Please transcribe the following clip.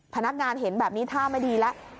พนักงานเห็นแบบนี้ท่าไม่ดีแล้ว